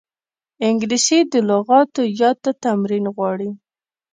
انګلیسي د لغاتو یاد ته تمرین غواړي